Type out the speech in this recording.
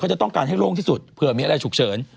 จะต้องการให้โล่งที่สุดเผื่อมีอะไรฉุกเฉิน